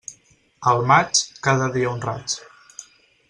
Al maig, cada dia un raig.